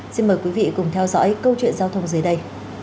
xin mời quý vị cùng theo dõi câu chuyện giao thông dưới đây